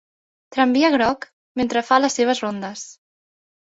Tramvia groc mentre fa les seves rondes.